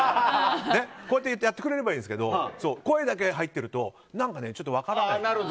こうやってくれればいいですけど声だけ入ってると何かちょっと分からない。